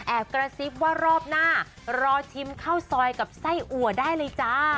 กระซิบว่ารอบหน้ารอชิมข้าวซอยกับไส้อัวได้เลยจ้า